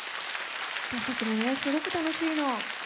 すごく楽しいの。